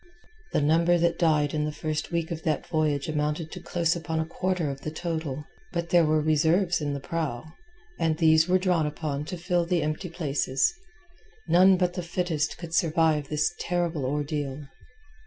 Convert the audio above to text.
The number that died in the first week of that voyage amounted to close upon a quarter of the total. But there were reserves in the prow, and these were drawn upon to fill the empty places. None but the fittest could survive this terrible ordeal.